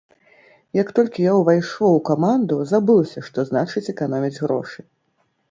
Як толькі я ўвайшоў у каманду, забыўся, што значыць эканоміць грошы.